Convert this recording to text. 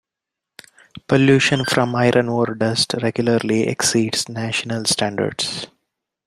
Pollution from iron ore dust regularly exceeds national standards.